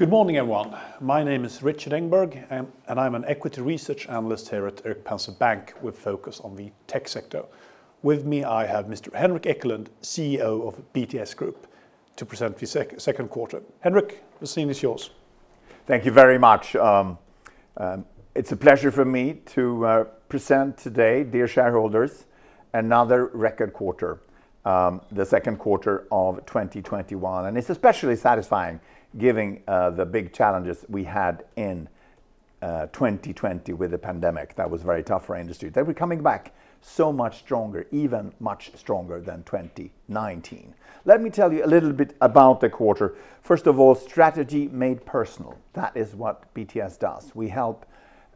Good morning, everyone. My name is Rik Engberg, and I'm an Equity Research Analyst here at Erik Penser Bank with focus on the tech sector. With me, I have Mr. Henrik Ekelund, CEO of BTS Group, to present the second quarter. Henrik, the scene is yours. Thank you very much. It's a pleasure for me to present today, dear shareholders, another record quarter, the second quarter of 2021, and it's especially satisfying given the big challenges we had in 2020 with the pandemic that was very tough for our industry. We're coming back so much stronger, even much stronger than 2019. Let me tell you a little bit about the quarter. First of all, Strategy Made Personal. That is what BTS does. We help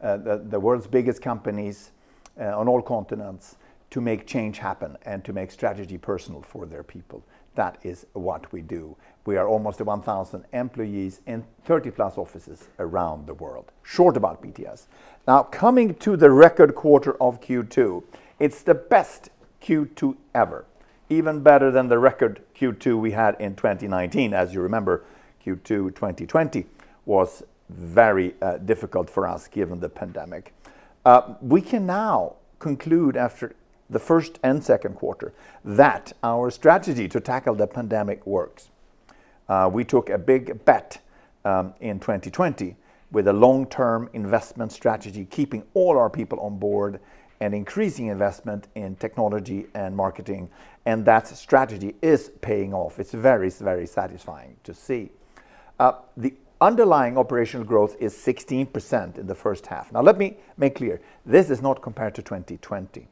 the world's biggest companies on all continents to make change happen and to make strategy personal for their people. That is what we do. We are almost at 1,000 employees in 30+ offices around the world. Short about BTS. Now coming to the record quarter of Q2, it's the best Q2 ever. Even better than the record Q2 we had in 2019. As you remember, Q2 2020 was very difficult for us, given the pandemic. We can now conclude after the first and second quarter that our strategy to tackle the pandemic works. We took a big bet in 2020 with a long-term investment strategy, keeping all our people on board and increasing investment in technology and marketing and that strategy is paying off. It's very satisfying to see. The underlying operational growth is 16% in the first half. Let me make clear, this is not compared to 2020.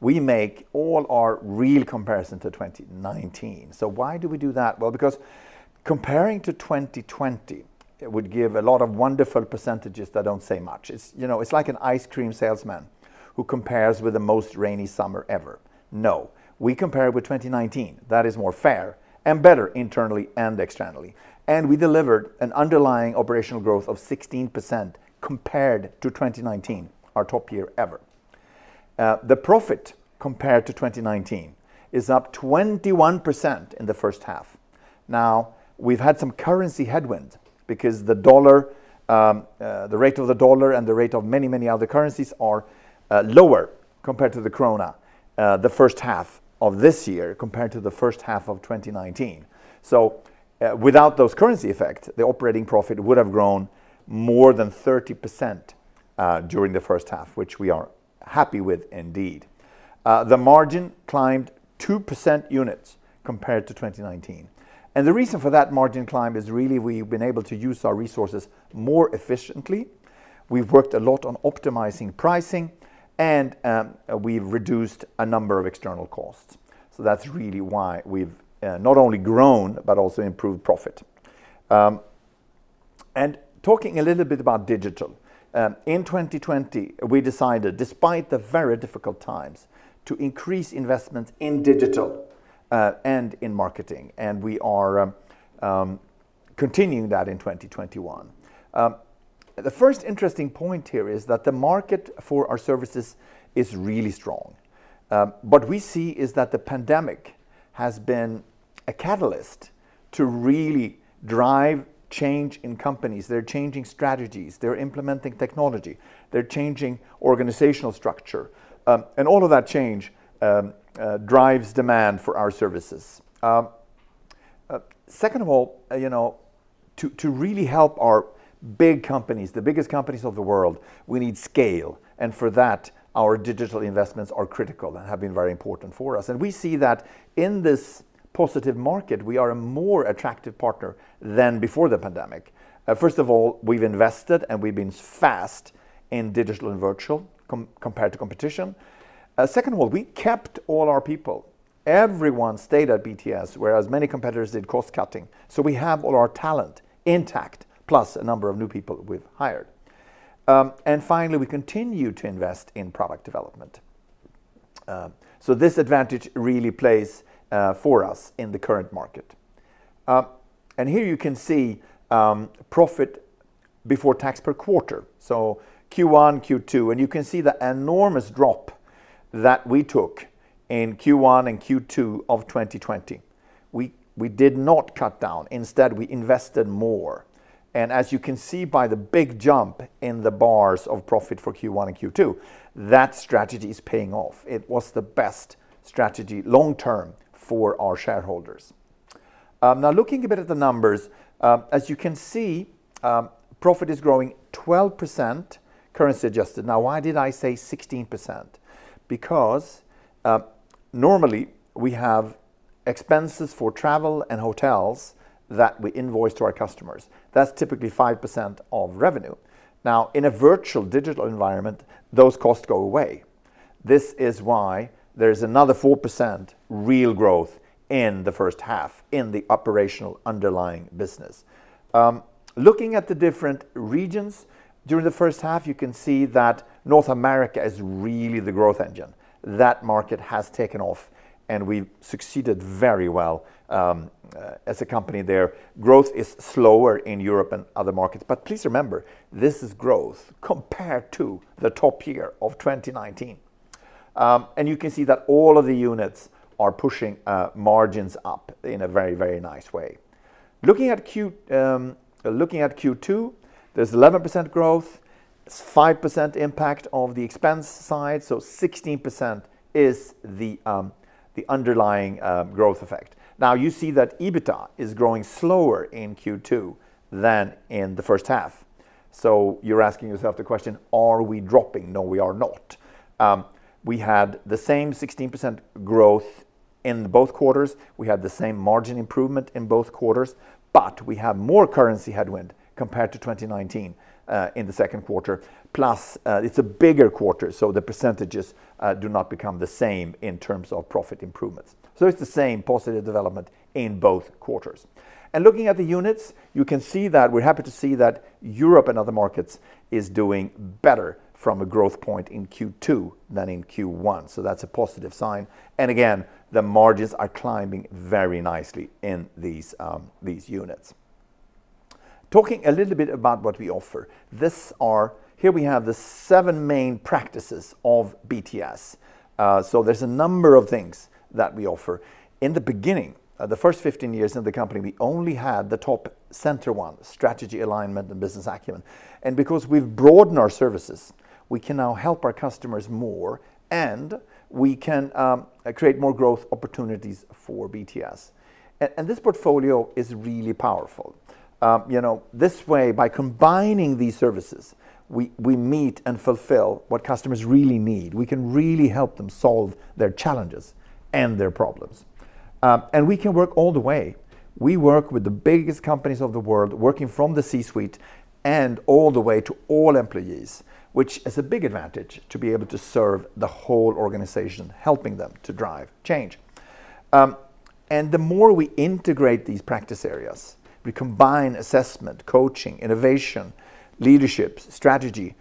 We make all our real comparison to 2019. Why do we do that? Well, because comparing to 2020, it would give a lot of wonderful percentages that don't say much. It's like an ice cream salesman who compares with the most rainy summer ever. No. We compare with 2019. That is more fair and better internally and externally and we delivered an underlying operational growth of 16% compared to 2019, our top year ever. The profit compared to 2019 is up 21% in the first half. Now, we've had some currency headwind because the rate of the dollar and the rate of many other currencies are lower compared to the krona the first half of this year compared to the first half of 2019. Without those currency effects, the operating profit would have grown more than 30% during the first half, which we are happy with indeed. The margin climbed 2% units compared to 2019. The reason for that margin climb is really we've been able to use our resources more efficiently. We've worked a lot on optimizing pricing, and we've reduced a number of external costs so that's really why we've not only grown but also improved profit. Talking a little bit about digital. In 2020, we decided, despite the very difficult times, to increase investment in digital and in marketing and we are continuing that in 2021. The first interesting point here is that the market for our services is really strong. What we see is that the pandemic has been a catalyst to really drive change in companies. They're changing strategies. They're implementing technology. They're changing organizational structure. All of that change drives demand for our services. Second of all, to really help our big companies, the biggest companies of the world, we need scale. For that, our digital investments are critical and have been very important for us. We see that in this positive market, we are a more attractive partner than before the pandemic. First of all, we've invested and we've been fast in digital and virtual compared to competition. Second of all, we kept all our people. Everyone stayed at BTS, whereas many competitors did cost-cutting. We have all our talent intact, plus a number of new people we've hired. Finally, we continue to invest in product development. This advantage really plays for us in the current market. Here you can see profit before tax per quarter. Q1, Q2, and you can see the enormous drop that we took in Q1 and Q2 of 2020. We did not cut down. Instead, we invested more. As you can see by the big jump in the bars of profit for Q1 and Q2, that strategy is paying off. It was the best strategy long-term for our shareholders. Looking a bit at the numbers. As you can see, profit is growing 12% currency adjusted. Why did I say 16%? Because normally we have expenses for travel and hotels that we invoice to our customers. That's typically 5% of revenue. In a virtual digital environment, those costs go away. This is why there's another 4% real growth in the first half in the operational underlying business. Looking at the different regions during the first half, you can see that North America is really the growth engine. That market has taken off, and we've succeeded very well as a company there. Growth is slower in Europe and other markets. Please remember, this is growth compared to the top year of 2019. You can see that all of the units are pushing margins up in a very, very nice way. Looking at Q2, there's 11% growth. There's 5% impact of the expense side, so 16% is the underlying growth effect. Now you see that EBITDA is growing slower in Q2 than in the first half. You're asking yourself the question, are we dropping? No, we are not. We had the same 16% growth in both quarters. We had the same margin improvement in both quarters but we have more currency headwind compared to 2019 in the second quarter plus it's a bigger quarter, the percentages do not become the same in terms of profit improvements so it's the same positive development in both quarters. Looking at the units, you can see that we're happy to see that Europe and other markets is doing better from a growth point in Q2 than in Q1 so that's a positive sign. Again, the margins are climbing very nicely in these units. Talking a little bit about what we offer. Here we have the seven main practices of BTS. There's a number of things that we offer. In the beginning, the first 15 years of the company, we only had the top center one, Strategy Alignment and Business Acumen because we've broadened our services, we can now help our customers more, and we can create more growth opportunities for BTS. This portfolio is really powerful. This way, by combining these services, we meet and fulfill what customers really need. We can really help them solve their challenges and their problems and we can work all the way. We work with the biggest companies of the world, working from the C-suite and all the way to all employees, which is a big advantage to be able to serve the whole organization, helping them to drive change. The more we integrate these practice areas, we combine assessment, coaching, innovation, leadership, strategy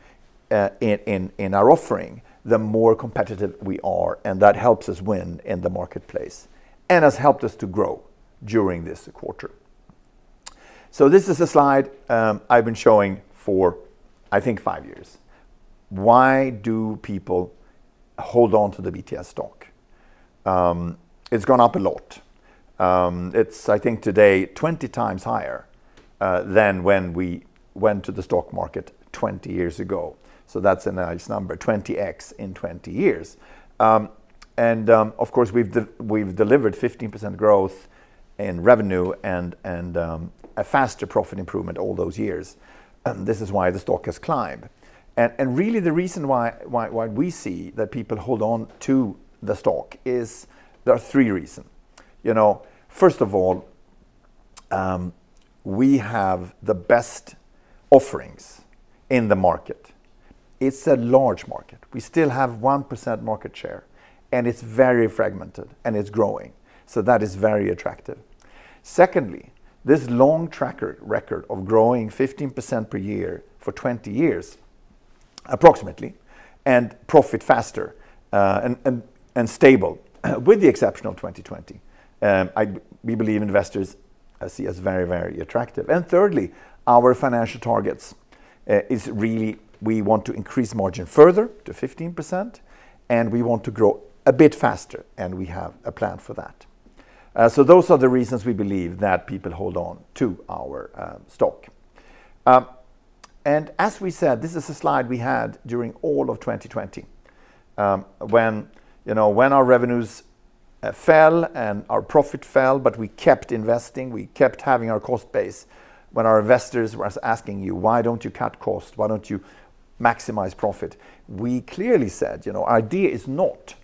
in our offering, the more competitive we are, and that helps us win in the marketplace and has helped us to grow during this quarter. This is a slide I've been showing for, I think, five years. Why do people hold on to the BTS stock? It's gone up a lot. It's, I think today, 20x higher than when we went to the stock market 20 years ago. That's a nice number, 20x in 20 years. Of course, we've delivered 15% growth in revenue and a faster profit improvement all those years. This is why the stock has climbed. Really the reason why we see that people hold on to the stock is there are three reasons. First of all, we have the best offerings in the market. It's a large market. We still have 1% market share, and it's very fragmented and it's growing so that is very attractive. Secondly, this long track record of growing 15% per year for 20 years, approximately, and profit faster, and stable, with the exception of 2020 and we believe investors see us very, very attractive. Thirdly, our financial targets is really we want to increase margin further to 15%, and we want to grow a bit faster, and we have a plan for that. Those are the reasons we believe that people hold on to our stock. As we said, this is a slide we had during all of 2020, when our revenues fell and our profit fell, but we kept investing, we kept having our cost base. When our investors were asking you, "Why don't you cut cost? Why don't you maximize profit?" We clearly said our idea is not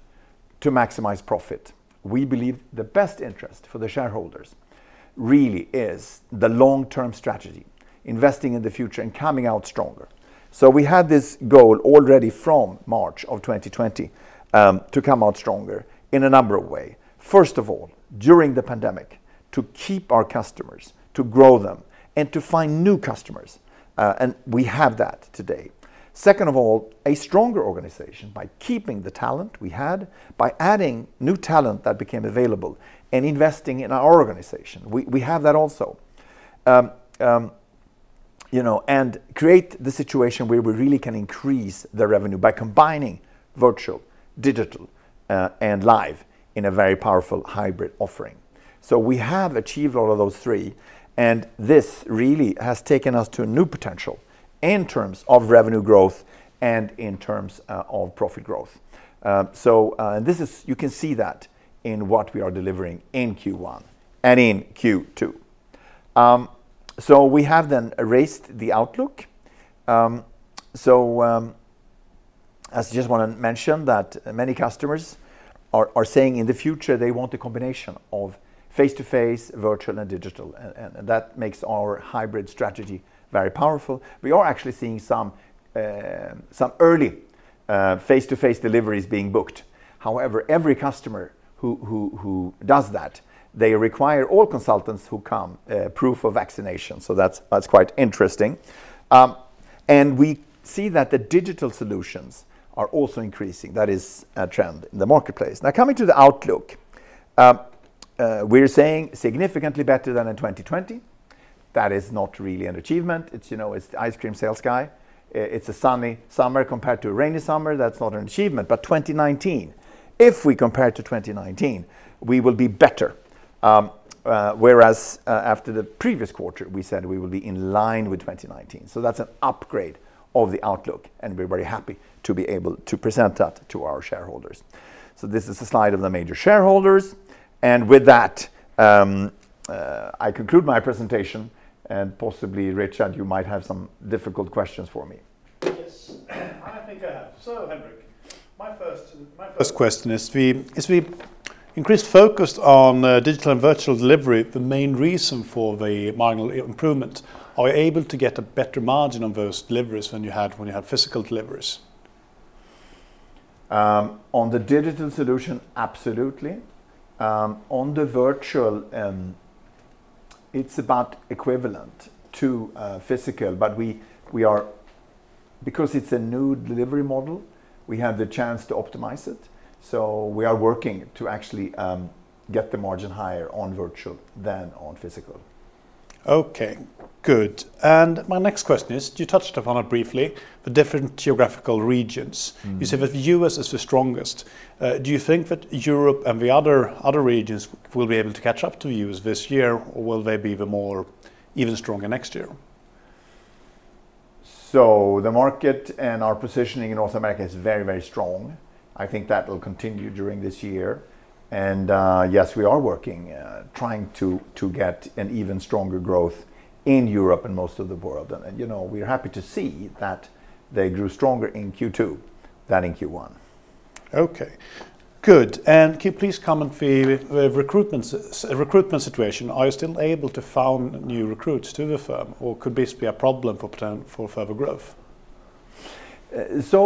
to maximize profit. We believe the best interest for the shareholders really is the long-term strategy, investing in the future and coming out stronger. We had this goal already from March of 2020 to come out stronger in a number of way. First of all, during the pandemic, to keep our customers, to grow them, and to find new customers. We have that today. Second of all, a stronger organization by keeping the talent we had, by adding new talent that became available, and investing in our organization. We have that also create the situation where we really can increase the revenue by combining virtual, digital, and live in a very powerful hybrid offering. We have achieved all of those three, and this really has taken us to a new potential in terms of revenue growth and in terms of profit growth. You can see that in what we are delivering in Q1 and in Q2. We have then raised the outlook. I just want to mention that many customers are saying in the future they want a combination of face-to-face, virtual, and digital, and that makes our hybrid strategy very powerful. We are actually seeing some early face-to-face deliveries being booked. However, every customer who does that, they require all consultants who come proof of vaccination, so that's quite interesting. We see that the digital solutions are also increasing. That is a trend in the marketplace. Coming to the outlook. We're saying significantly better than in 2020. That is not really an achievement. It's the ice cream sales guy. It's a sunny summer compared to a rainy summer. That's not an achievement. 2019, if we compare to 2019, we will be better. Whereas after the previous quarter, we said we will be in line with 2019. That's an upgrade of the outlook, and we're very happy to be able to present that to our shareholders. This is a slide of the major shareholders, and with that, I conclude my presentation and possibly, Rikard, you might have some difficult questions for me. Yes, I think I have. Henrik, my first question is the increased focus on digital and virtual delivery the main reason for the marginal improvement? Are you able to get a better margin on those deliveries than you had when you had physical deliveries? On the digital solution, absolutely. On the virtual, it's about equivalent to physical because it's a new delivery model, we have the chance to optimize it so we are working to actually get the margin higher on virtual than on physical. Okay, good. My next question is, you touched upon it briefly, the different geographical regions. You said that the U.S. is the strongest. Do you think that Europe and the other regions will be able to catch up to U.S. this year? Will they be even stronger next year? The market and our positioning in North America is very strong. I think that will continue during this year. Yes, we are working, trying to get an even stronger growth in Europe and most of the world. We are happy to see that they grew stronger in Q2 than in Q1. Okay, good. Can you please comment on the recruitment situation? Are you still able to find new recruits to the firm, or could this be a problem for further growth?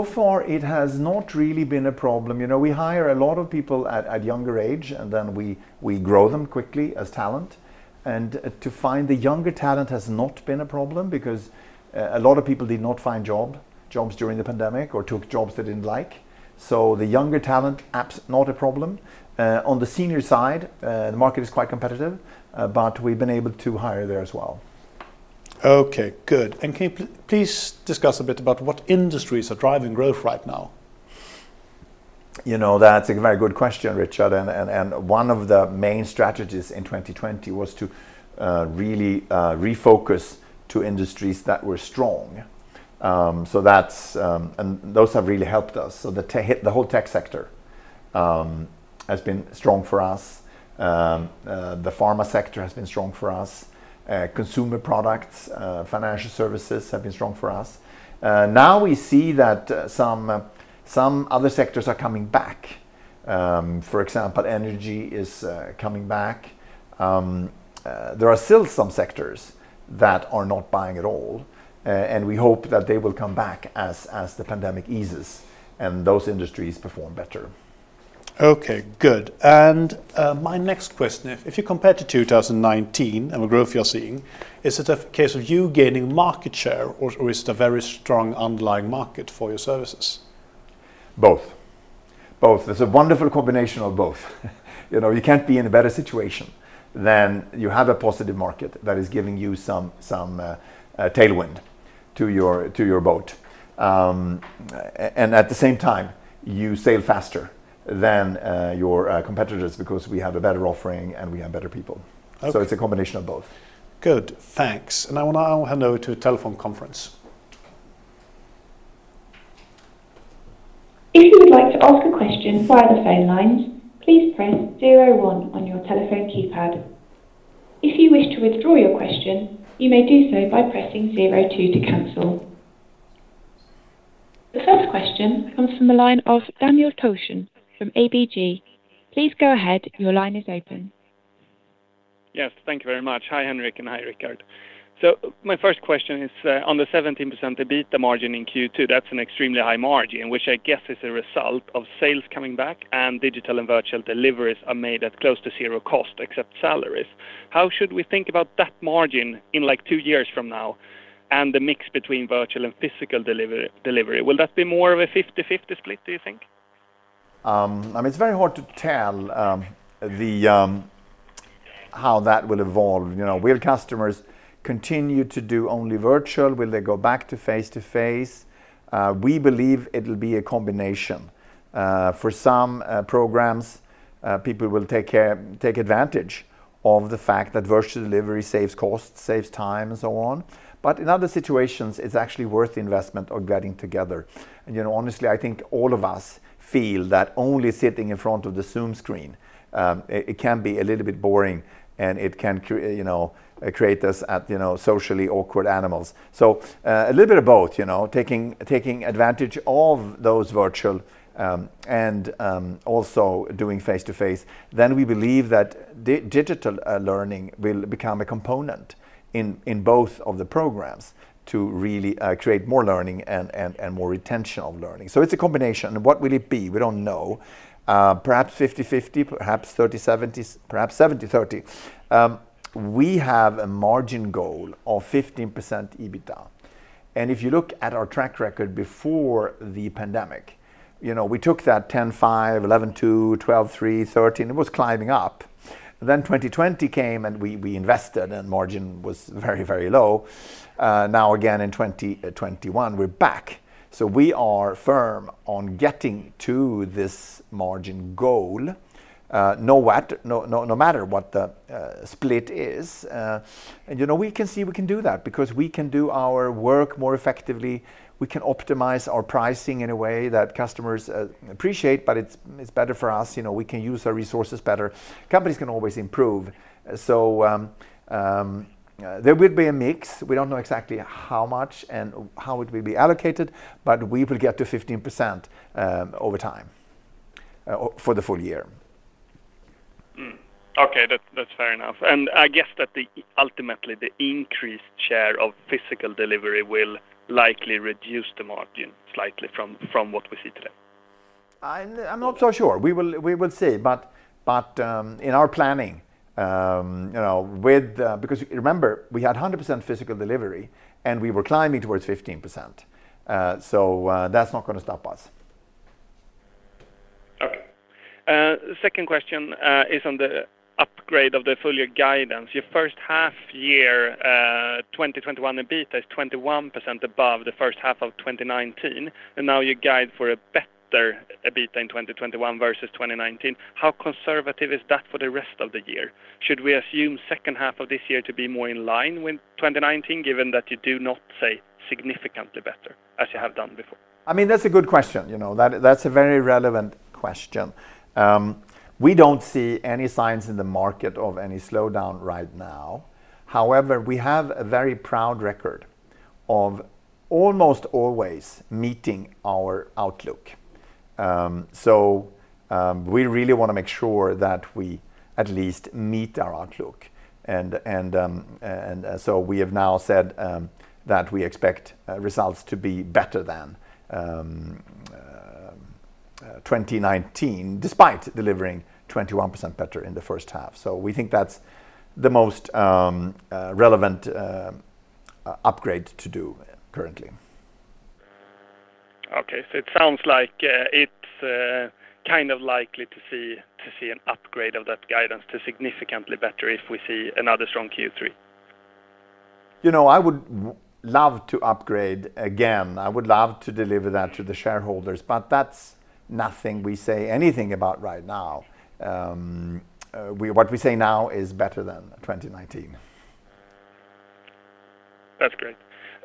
Far it has not really been a problem. We hire a lot of people at a younger age, and then we grow them quickly as talent. To find the younger talent has not been a problem because a lot of people did not find jobs during the pandemic or took jobs they didn't like. The younger talent, not a problem. On the senior side, the market is quite competitive, but we've been able to hire there as well. Okay, good. Can you please discuss a bit about what industries are driving growth right now? That's a very good question, Rikard. One of the main strategies in 2020 was to really refocus to industries that were strong. Those have really helped us. The whole tech sector has been strong for us. The pharma sector has been strong for us. Consumer products, financial services have been strong for us. Now we see that some other sectors are coming back. For example, energy is coming back. There are still some sectors that are not buying at all and we hope that they will come back as the pandemic eases, and those industries perform better. Okay, good. My next question, if you compare to 2019 and the growth you're seeing, is it a case of you gaining market share, or is it a very strong underlying market for your services? Both. It's a wonderful combination of both. You can't be in a better situation than you have a positive market that is giving you some tailwind to your boat. At the same time, you sail faster than your competitors because we have a better offering, and we have better people. Okay. It's a combination of both. Good, thanks. I will now hand over to telephone conference. If you would like to ask a question via the phone lines, please press zero one on your telephone keypad. If you wish to withdraw your question, you may do so by pressing zero two to cancel. The first question comes from the line of Daniel Thorsson from ABG. Please go ahead. Your line is open. Yes, thank you very much. Hi, Henrik, and hi, Rikard. My first question is on the 17% EBITDA margin in Q2. That's an extremely high margin, which I guess is a result of sales coming back and digital and virtual deliveries are made at close to zero cost except salaries. How should we think about that margin in two years from now and the mix between virtual and physical delivery? Will that be more of a 50-50 split, do you think? It's very hard to tell how that will evolve. Will customers continue to do only virtual? Will they go back to face-to-face? We believe it'll be a combination. For some programs, people will take advantage of the fact that virtual delivery saves costs, saves time, and so on. In other situations, it's actually worth the investment of getting together. Honestly, I think all of us feel that only sitting in front of the Zoom screen, it can be a little bit boring, and it can create us as socially awkward animals. A little bit of both. Taking advantage of those virtual and also doing face-to-face then we believe that digital learning will become a component in both of the programs to really create more learning and more retention of learning. It's a combination. What will it be? We don't know. Perhaps 50-50, perhaps 30-70, perhaps 70-30. We have a margin goal of 15% EBITDA. If you looked at our track record before the pandemic, we took that 10.5%, 11.2%, 12.3%, 13%. It was climbing up. 2020 came, we invested, and margin was very low. Again, in 2021, we're back. We are firm on getting to this margin goal no matter what the split is. We can see we can do that because we can do our work more effectively. We can optimize our pricing in a way that customers appreciate, but it's better for us. We can use our resources better. Companies can always improve so there will be a mix. We don't know exactly how much and how it will be allocated, but we will get to 15% over time for the full year. Okay. That's fair enough. I guess that ultimately, the increased share of physical delivery will likely reduce the margin slightly from what we see today. I'm not so sure. We will see. In our planning, because remember, we had 100% physical delivery, and we were climbing towards 15% so that's not going to stop us. Okay. Second question is on the upgrade of the full year guidance. Your first half year 2021 EBITDA is 21% above the first half of 2019, now you guide for a better EBITDA in 2021 versus 2019. How conservative is that for the rest of the year? Should we assume second half of this year to be more in line with 2019, given that you do not say significantly better as you have done before? That's a good question. That's a very relevant question. We don't see any signs in the market of any slowdown right now. However, we have a very proud record of almost always meeting our outlook. We really want to make sure that we at least meet our outlook. We have now said that we expect results to be better than 2019 despite delivering 21% better in the first half so we think that's the most relevant upgrade to do currently. Okay. It sounds like it's likely to see an upgrade of that guidance to significantly better if we see another strong Q3. I would love to upgrade again. I would love to deliver that to the shareholders, but that's nothing we say anything about right now. What we say now is better than 2019. That's great.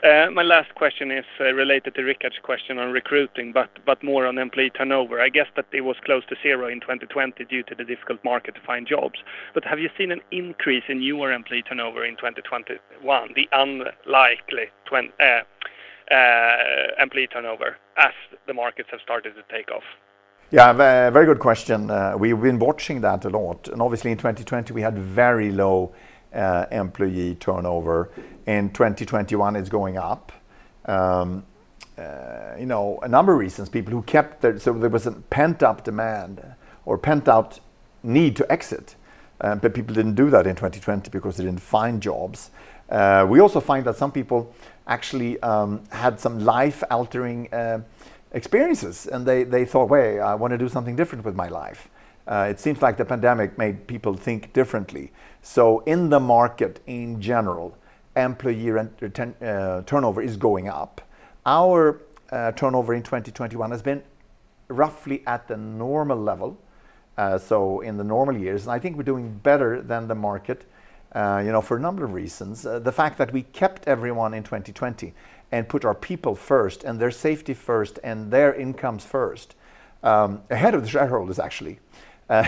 My last question is related to Rikard's question on recruiting but more on employee turnover. I guess that it was close to zero in 2020 due to the difficult market to find jobs. Have you seen an increase in newer employee turnover in 2021, the unlikely employee turnover as the markets have started to take off? Yeah. Very good question. We've been watching that a lot, and obviously, in 2020, we had very low employee turnover. In 2021, it's going up. A number of reasons. There was a pent-up demand or pent-up need to exit, but people didn't do that in 2020 because they didn't find jobs. We also find that some people actually had some life-altering experiences, and they thought, "Wait, I want to do something different with my life." It seems like the pandemic made people think differently. In the market in general, employee turnover is going up. Our turnover in 2021 has been roughly at the normal level, so in the normal years, and I think we're doing better than the market for a number of reasons. The fact that we kept everyone in 2020 and put our people first and their safety first and their incomes first, ahead of the shareholders actually,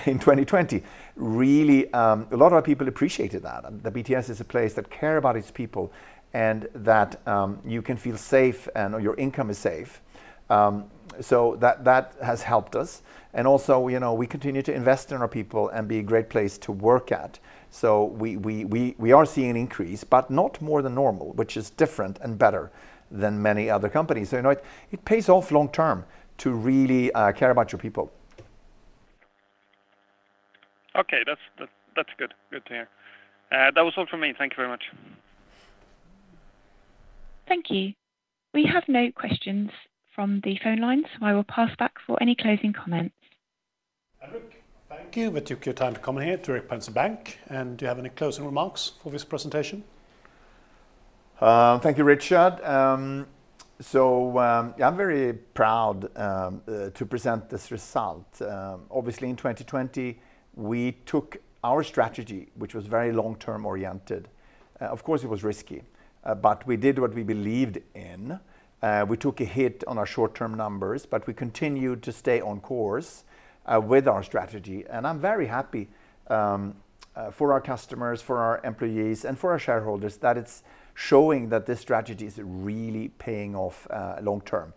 in 2020, really, a lot of our people appreciated that BTS is a place that care about its people and that you can feel safe and your income is safe. That has helped us, and also, we continue to invest in our people and be a great place to work at. We are seeing an increase, but not more than normal, which is different and better than many other companies. It pays off long term to really care about your people. Okay. That's good to hear. That was all from me. Thank you very much. Thank you. We have no questions from the phone lines, so I will pass back for any closing comments. Henrik, thank you that you took your time to come here to Erik Penser Bank, and do you have any closing remarks for this presentation? Thank you, Rikard. I'm very proud to present this result. Obviously, in 2020, we took our strategy, which was very long-term oriented. Of course, it was risky but we did what we believed in. We took a hit on our short-term numbers, but we continued to stay on course with our strategy, and I'm very happy for our customers, for our employees, and for our shareholders that it's showing that this strategy is really paying off long term.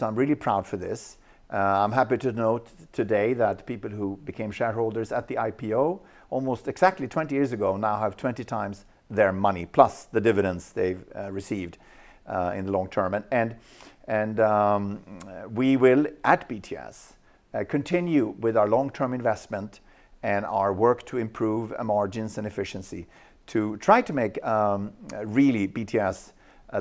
I'm really proud for this. I'm happy to note today that people who became shareholders at the IPO almost exactly 20 years ago now have 20x their money plus the dividends they've received in the long term. We will, at BTS, continue with our long-term investment and our work to improve margins and efficiency to try to make really BTS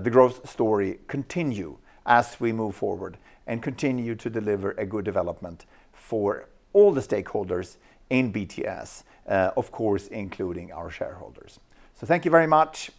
the growth story continue as we move forward and continue to deliver a good development for all the stakeholders in BTS, of course, including our shareholders. Thank you very much.